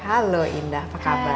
halo indah apa kabar